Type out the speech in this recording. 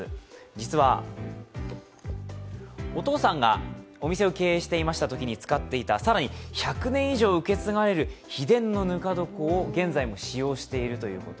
実は、お父さんがお店を経営していましたときに使っていた更に１００年以上受け継がれる秘伝のぬか床を現在も使用しているということ。